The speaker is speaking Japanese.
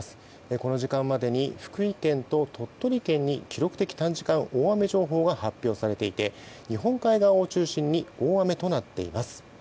この時間までに福井県と鳥取県に記録的短時間大雨情報が発表されていて日本海側を中心に大雨となっています。